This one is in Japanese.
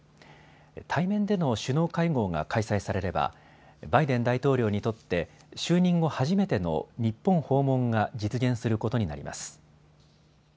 対面での首脳会合が開催されればバイデン大統領にとって就任後初めての日本訪問が実現することになります。